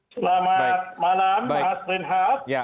selamat malam mas linhat